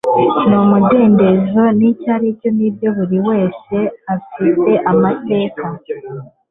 Ni umudendezo Nicyo aricyoNibyo buri wese afiteamateKa